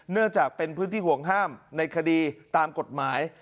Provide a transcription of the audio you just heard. เนื่องจากเป็นพื้นที่ห่วงห้ามในคดีตามกฎหมาย